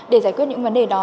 để giải quyết những vấn đề đó